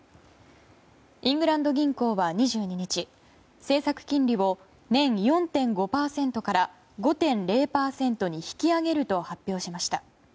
イングランド銀行は２２日政策金利を年４．５％から５．０％に引き上げると発表しました。